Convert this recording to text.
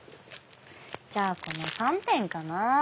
じゃあこの３点かな。